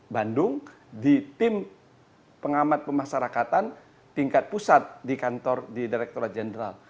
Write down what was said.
bandung di tim pengamat pemasarakatan tingkat pusat di kantor di direkturat jenderal